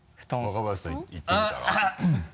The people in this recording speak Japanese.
若林さんいってみたら？